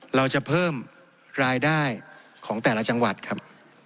เราจะเพิ่มรายได้ของแต่ละจังหวัดครับ